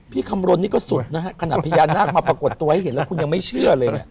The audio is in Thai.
พี่คำลนนี้ก็สุดนะฮะขณะพญานาคมาปรากฏตัวให้เห็นแล้วคุณยังไม่เชื่อเลย